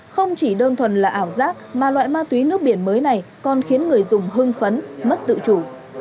không chỉ đơn thuần là ảo giác mà loại ma túy nước biển mới này còn khiến người dùng hưng phấn mất tự chủ